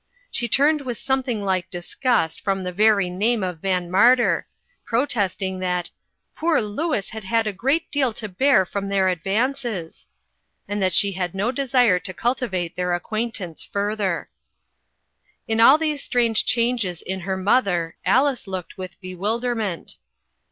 She turned with something like dis gust from the very name of VanMarter, protesting that "poor Louis had had a great deal to bear from their advances," and that she had no desire to cultivate their acquaint ance further. On all these strange changes in her mother Alice looked with bewilderment.